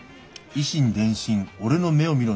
以心伝心俺の目を見ろ